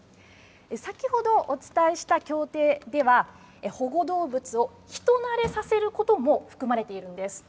先ほどお伝えした協定では、保護動物を人なれさせることも含まれているんです。